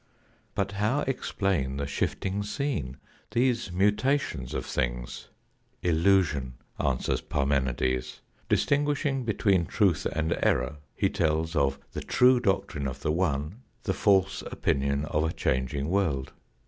But how explain the shifting scene, these mutations of things ! "Illusion," answers Parmenides. Distinguishing be tween truth and error, he tells of the true doctrine of the one the false opinion of a changing world.